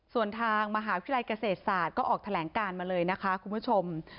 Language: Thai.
ส่วนทางมหาวิทยาลัยเกษตรศาสตร์ก็ออกแถลงการมาเลยนะคะคุณผู้ชม